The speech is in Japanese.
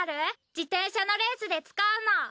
自転車のレースで使うの。